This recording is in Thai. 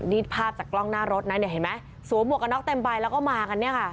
นี่ภาพจากกล้องหน้ารถนะเนี่ยเห็นไหมสวมหวกกันน็อกเต็มใบแล้วก็มากันเนี่ยค่ะ